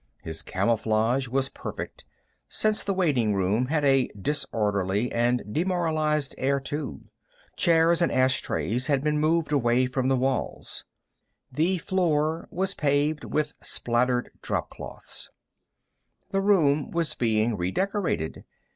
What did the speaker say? His camouflage was perfect, since the waiting room had a disorderly and demoralized air, too. Chairs and ashtrays had been moved away from the walls. The floor was paved with spattered dropcloths. The room was being redecorated.